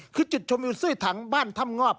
คือจุดชมวิวซี่ถังบ้านถ้ำงอบ